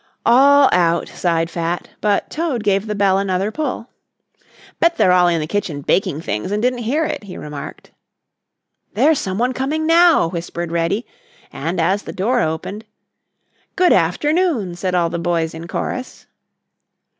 "All out," sighed Fat; but Toad gave the bell another pull. "Bet they're all in the kitchen baking things and didn't hear it," he remarked. "There's someone coming now," whispered Reddy, and as the door opened: "Good afternoon," said all the boys in chorus.